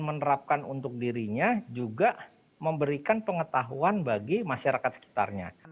menerapkan untuk dirinya juga memberikan pengetahuan bagi masyarakat sekitarnya